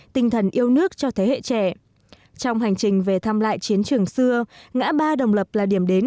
tinh thần yêu nước cho thế hệ trẻ trong hành trình về thăm lại chiến trường xưa ngã ba đồng lập là điểm đến